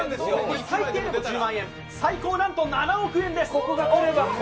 最低でも１０万円最高、なんと７万円です。